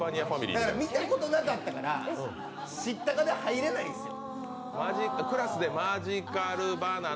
見たことなかったから知ったかで入れないんですよ。